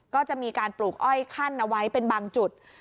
ก็จะมีการปลูกอ้อยขั้นเอาไว้เป็นบางจุด